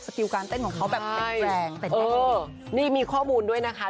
สติวการเต้นของเขาแบบแบ่งแรงแบ่งแรงเออนี่มีข้อมูลด้วยนะคะ